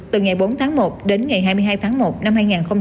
từ ngày bốn tháng một đến ngày hai mươi hai tháng một năm hai nghìn hai mươi